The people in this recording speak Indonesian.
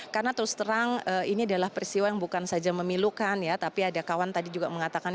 karena terus terang ini adalah peristiwa yang bukan saja memilukan ya tapi ada kawan tadi juga mengatakan